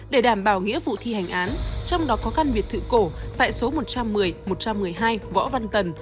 để đảm bảo nghĩa vụ thi hành án trong đó có căn biệt thự cổ tại số một trăm một mươi một trăm một mươi hai võ văn tần